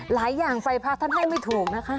หลายอย่างไฟพระท่านให้ไม่ถูกนะคะ